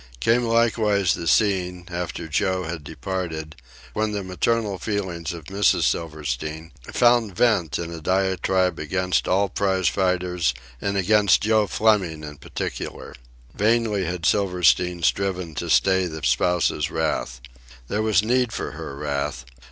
Came likewise the scene, after Joe had departed, when the maternal feelings of Mrs. Silverstein found vent in a diatribe against all prize fighters and against Joe Fleming in particular. Vainly had Silverstein striven to stay the spouse's wrath. There was need for her wrath.